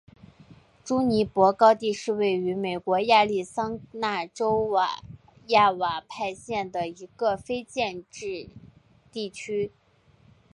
朱尼珀高地是位于美国亚利桑那州亚瓦派县的一个非建制地区。